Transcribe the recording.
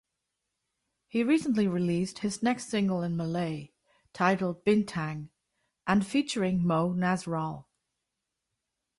He recently released his next single in Malay, titled "Bintang" and featuring Moe Nasrul.